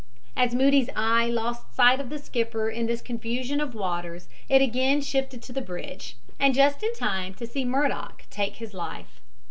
As Moody's eye lost sight of the skipper in this confusion of waters it again shifted to the bridge, and just in time to see Murdock take his life.